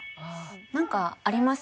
なんかあります？